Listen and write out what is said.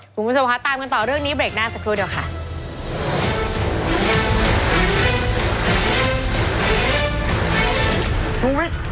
คุณผู้ชมคะตามกันต่อเรื่องนี้เบรกหน้าสักครู่เดี๋ยวค่ะ